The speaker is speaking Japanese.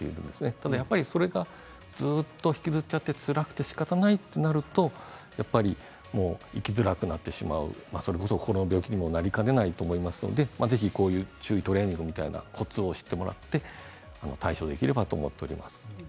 ただ、それがずっと引きずってしまってつらくてしかたないということになると生きづらくなってしまう心の病気にもなりかねないと思いますのでぜひ注意トレーニングのコツを知ってもらって対処できればと思います。